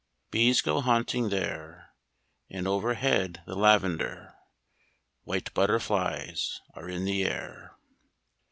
Bees go haunting there, And overhead the lavender White butterflies are in the air.